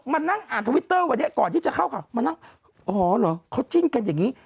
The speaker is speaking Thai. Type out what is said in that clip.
มานั่งอ่านทวิตเตอร์วันนี้ก่อนที่จะเข้าข่าวมานั่งอ๋อเหรอเขาจิ้นกันอย่างนี้